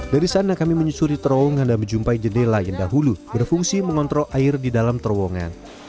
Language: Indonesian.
dari sana kami menyusuri terowongan dan menjumpai jendela yang dahulu berfungsi mengontrol air di dalam terowongan